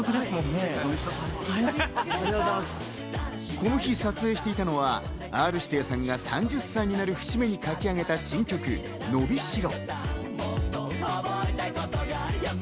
この日撮影していたのはＲ−指定さんが３０歳になる節目に書き上げた新曲『のびしろ』。